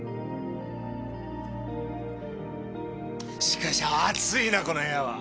しかし暑いなこの部屋は！